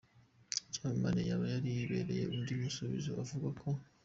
byamamare yaba yarihebeye, undi mu gusubiza avuga ko